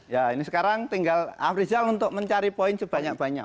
ya ini sekarang tinggal afrizal untuk mencari poin sebanyak banyak